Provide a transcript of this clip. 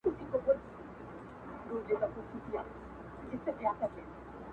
o نن داخبره درلېږمه تاته.